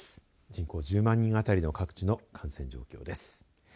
人口１０万人当たりの各地の感染状況です。